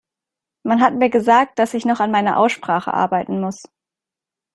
Man hat mir gesagt, dass ich noch an meiner Aussprache arbeiten muss.